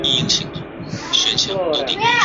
刘銮雄证实吕丽君怀孕。